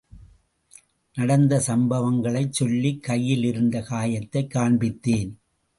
நடந்த சம்பவங்களைச் சொல்லிக் கையில் இருந்த காயத்தைக் காண்பித்தேன்.